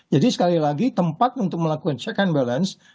jadi sekali lagi tempat untuk melakukan check and balance